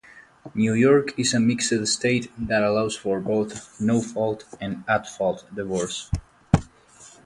New York is a mixed state that allows for both no-fault and at-fault divorce.